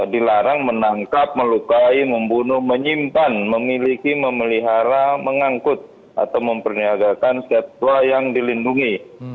dilarang menangkap melukai membunuh menyimpan memiliki memelihara mengangkut atau memperniagakan satwa yang dilindungi